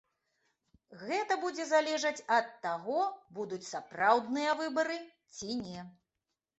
Гэта будзе залежаць ад таго, будуць сапраўдныя выбары ці не.